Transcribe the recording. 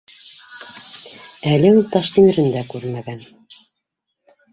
Әле ул Таштимерен дә күрмәгән